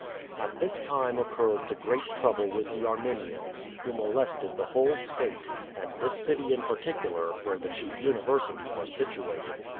At this time occurred the great trouble with the Armin ians, who molested the whole state, and this city in par ticular, where the chief university was situated.